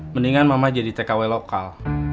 mendingan mama jadi tkw lokal